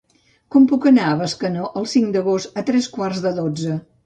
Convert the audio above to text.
Com puc anar a Bescanó el cinc d'agost a tres quarts de dotze?